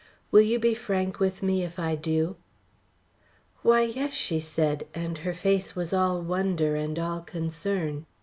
"Will you be frank with me if I do?" "Why, yes," she said, and her face was all wonder and all concern.